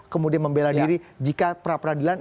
kemudian membela diri jika pra peradilan